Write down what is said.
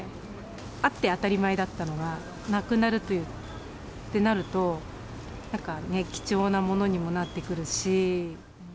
あって当たり前だったのがなくなるってなると、なんかね、貴重なものにもなってくるし。